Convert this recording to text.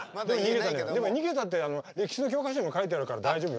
でも逃げたって歴史の教科書にも書いてあるから大丈夫よ。